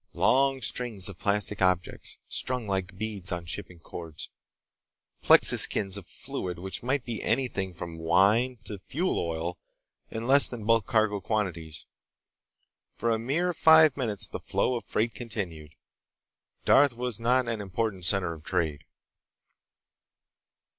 Long strings of plastic objects, strung like beads on shipping cords. Plexiskins of fluid which might be anything from wine to fuel oil in less than bulk cargo quantities. For a mere five minutes the flow of freight continued. Darth was not an important center of trade.